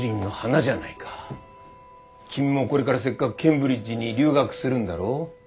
君もこれからせっかくケンブリッジに留学するんだろう？